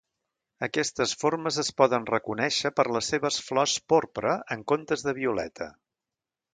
Aquestes formes es poden reconèixer per les seves flors porpra en comptes de violeta.